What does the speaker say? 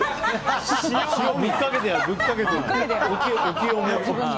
塩ぶっかけてよ。